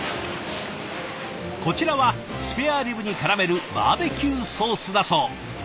こちらはスペアリブにからめるバーベキューソースだそう。